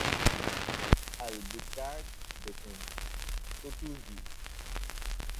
Albuquerque দেখুন Portuguese.